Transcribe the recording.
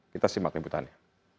kita simak liputannya